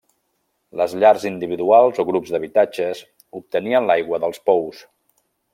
Les llars individuals o grups d’habitatges obtenien l'aigua dels pous.